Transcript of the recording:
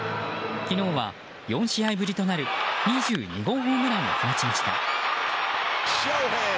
昨日は４試合ぶりとなる２２号ホームランを放ちました。